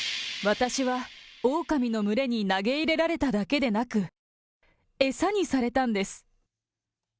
私はオオカミの群れに投げ入れられただけでなく、餌にされたんです。